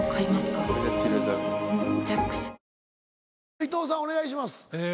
伊藤さんお願いします。